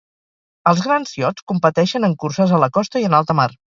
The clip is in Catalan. Els grans iots competeixen en curses a la costa i en alta mar.